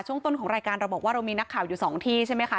ช่วงต้นของรายการเราบอกว่าเรามีนักข่าวอยู่สองที่ใช่ไหมคะ